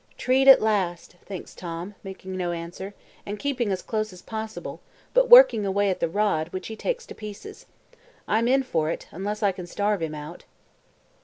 "Tree'd at last," thinks Tom, making no answer, and keeping as close as possible, but working away at the rod, which he takes to pieces. "I'm in for it, unless I can starve him out."